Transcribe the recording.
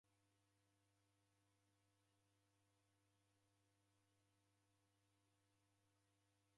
Ughu mtorori ghwaw'eenjwa mbio.